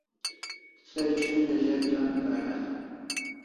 Se shonja za ja ne Kay asaw